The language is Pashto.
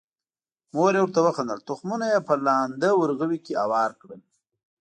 مور یې ورته وخندل، تخمونه یې په لانده ورغوي کې هوار کړل.